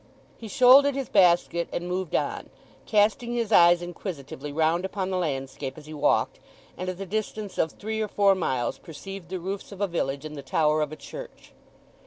He shouldered his basket and moved on, casting his eyes inquisitively round upon the landscape as he walked, and at the distance of three or four miles perceived the roofs of a village and the tower of a church.